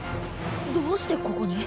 どうしてここに？